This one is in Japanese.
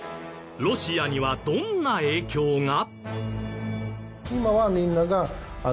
ロシアにはどんな影響が？